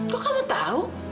kok kamu tahu